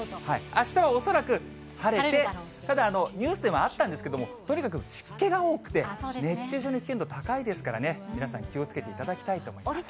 あしたは恐らく晴れて、ただニュースでもあったんですが、とにかく湿気が多くて、熱中症の危険度、高いですからね、皆さん気をつけていただきたいと思います。